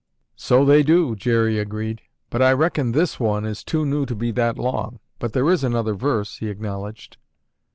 "So they do!" Jerry agreed. "But I reckon this one is too new to be that long, but there is another verse," he acknowledged.